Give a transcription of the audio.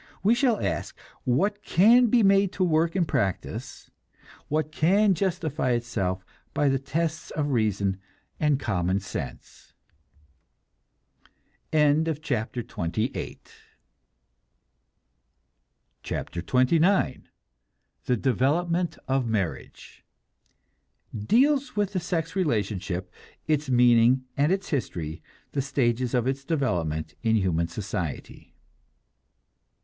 We shall ask, what can be made to work in practice, what can justify itself by the tests of reason and common sense. CHAPTER XXIX THE DEVELOPMENT OF MARRIAGE (Deals with the sex relationship, its meaning and its history, the stages of its development in human society.)